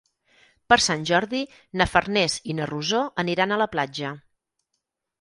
Per Sant Jordi na Farners i na Rosó aniran a la platja.